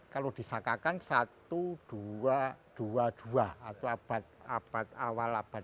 kalau disakakan seribu dua ratus dua puluh dua atau abad awal abad tiga belas